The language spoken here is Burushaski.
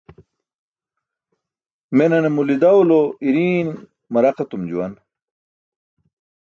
Menane mulidawlo iriiṅ maraq etum juwan.